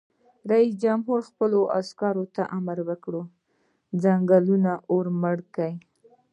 رئیس جمهور خپلو عسکرو ته امر وکړ؛ د ځنګلونو اور مړ کړئ!